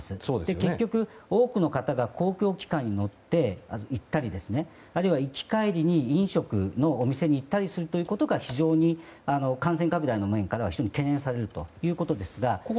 結局、多くの方が公共機関に乗って行ったりあるいは行き帰りに飲食のお店に行ったりすることが非常に感染拡大の面からは懸念されるということです。